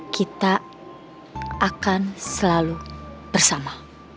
kita akan selalu bersama